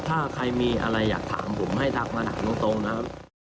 ถ้าใครมีอะไรอยากถามผมให้ทักมาถามตรงนะครับ